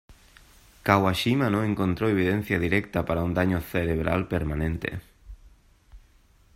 Kawashima no encontró evidencia directa para un daño cerebral permanente.